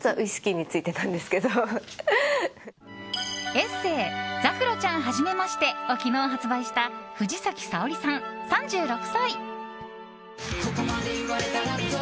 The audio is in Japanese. エッセー「ざくろちゃん、はじめまして」を昨日発売した藤崎彩織さん、３６歳。